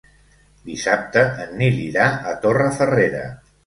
Dissabte en Nil irà a Torrefarrera.